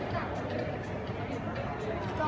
มันเป็นสิ่งที่จะให้ทุกคนรู้สึกว่า